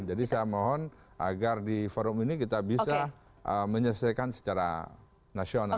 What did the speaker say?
jadi saya mohon agar di forum ini kita bisa menyelesaikan secara nasional